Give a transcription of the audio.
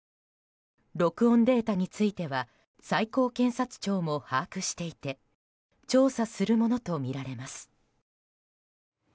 録音データについては最高検察庁も把握していて調査するものとみられます。